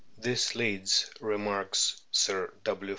This leads, remarks Sir W.